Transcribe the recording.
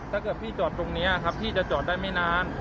ถ้าเกิดพี่จอดตรงนี้ครับพี่จะจอดได้ไม่นาน